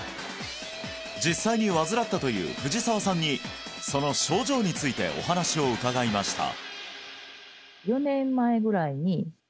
実際に患ったという藤澤さんにその症状についてお話を伺いました